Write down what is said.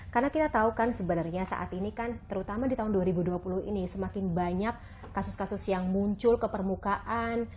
karena kita tahu kan sebenarnya saat ini kan terutama di tahun dua ribu dua puluh ini semakin banyak kasus kasus yang muncul ke permukaan